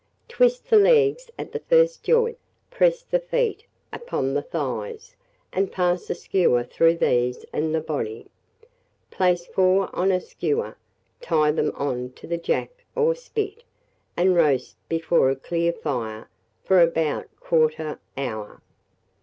Twist the legs at the first joint, press the feet upon the thighs, and pass a skewer through these and the body. Place four on a skewer, tie them on to the jack or spit, and roast before a clear fire for about 1/4 hour.